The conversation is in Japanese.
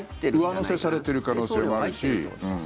上乗せされてる可能性もあるし。